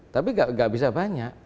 tapi tidak bisa banyak